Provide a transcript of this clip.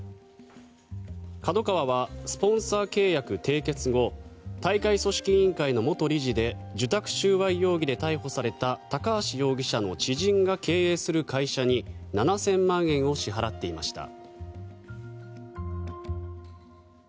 ＫＡＤＯＫＡＷＡはスポンサー契約締結後大会組織委員会の元理事で受託収賄容疑で逮捕された高橋容疑者の知人が経営する会社に７０００万円を支払っていました。